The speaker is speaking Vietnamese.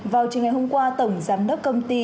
vào chiều ngày hôm qua tổng giám đốc công ty